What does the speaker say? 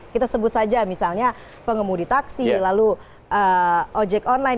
kita sebut saja misalnya pengemudi taksi lalu ojek online